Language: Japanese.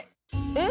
えっ？